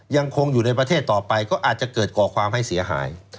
ยังคงอยู่ในประเทศต่อไปก็อาจจะเกิดก่อความให้เสียหาย